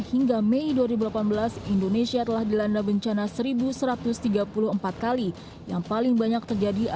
bagaimana seharusnya masyarakat beradaptasi dengan bencana